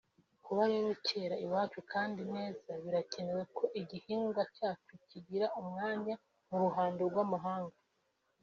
kuba rero cyera iwacu kandi neza birakenewe ko igihingwa cyacu kigira umwanya mu ruhando rw’amahanga